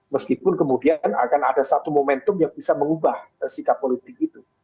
meskipun kemudian akan ada satu momentum yang bisa mengubah sikap politik itu